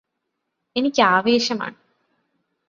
എനിക്ക് ആവേശമാണ്